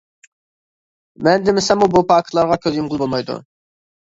مەن دېمىسەممۇ بۇ پاكىتلارغا كۆز يۇمغىلى بولمايدۇ.